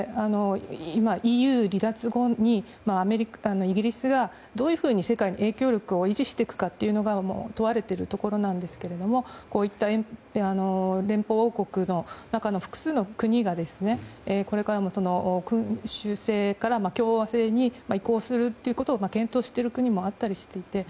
今、ＥＵ離脱後にイギリスがどういうふうに世界の影響力を維持していくかというのが問われていくところなんですがこういった連邦王国の中の複数の国がこれからも世界の君主制から共和制に移行するということを検討している国もあったりしていて。